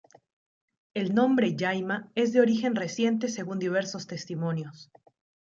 El nombre "Llaima" es de origen reciente, según diversos testimonios.